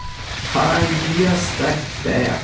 " Ah, yes, that bath